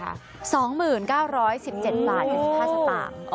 ๒๙๑๗บาทเป็น๑๕สตาม